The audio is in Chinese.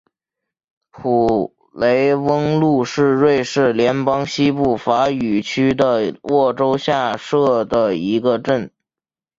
普雷翁路是瑞士联邦西部法语区的沃州下设的一个镇。